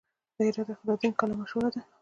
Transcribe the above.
د هرات اختیار الدین کلا مشهوره ده